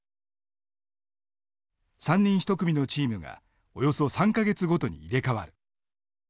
３人１組のチームがおよそ３か月ごとに入れ代わる。